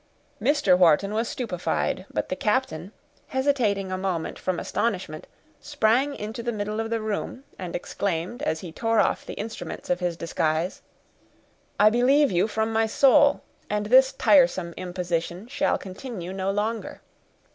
Mr. Wharton was stupefied; but the captain, hesitating a moment from astonishment, sprang into the middle of the room, and exclaimed, as he tore off the instruments of his disguise,— "I believe you from my soul, and this tiresome imposition shall continue no longer.